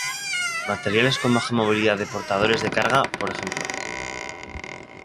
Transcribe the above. Materiales con baja movilidad de portadores de carga, p. Ej.